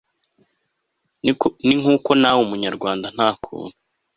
ni nk'uko nawe umunyarwanda nta kuntu